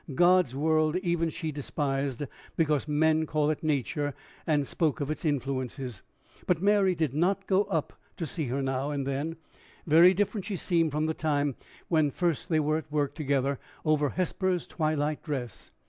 God's world even she despised, because men called it nature, and spoke of its influences. But Mary did go up to see her now and then. Very different she seemed from the time when first they were at work together over Hesper's twilight dress!